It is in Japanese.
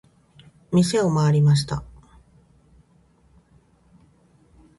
店を回りました。